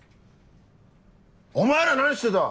お前ら何してた！